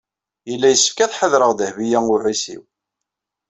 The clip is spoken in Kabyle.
Yella yessefk ad ḥadreɣ Dehbiya u Ɛisiw.